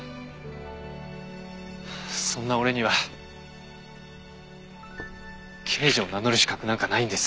そんな俺には刑事を名乗る資格なんかないんです。